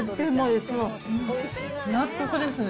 納得ですね。